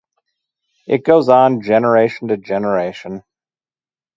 It goes on generation to generation.